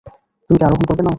তুমি কি আরোহণ করবে না?